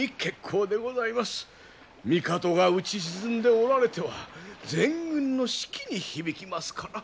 帝が打ち沈んでおられては全軍の士気に響きますから。